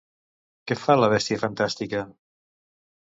Què fa la bèstia fantàstica?